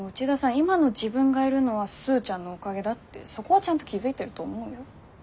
今の自分がいるのはスーちゃんのおかげだってそこはちゃんと気付いてると思うよ？